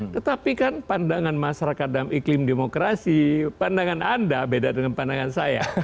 tetapi kan pandangan masyarakat dalam iklim demokrasi pandangan anda beda dengan pandangan saya